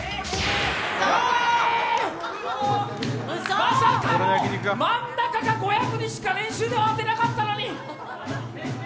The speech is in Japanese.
まさかの、真ん中の５００にしか練習では当てなかったのに。